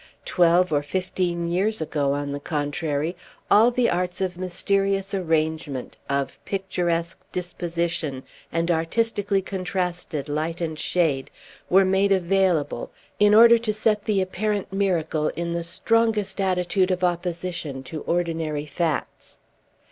Twelve or fifteen years ago, on the contrary, all the arts of mysterious arrangement, of picturesque disposition, and artistically contrasted light and shade, were made available, in order to set the apparent miracle in the strongest attitude of opposition to ordinary facts.